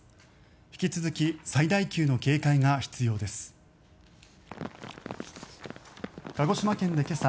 引き続き最大級の警戒が必要です。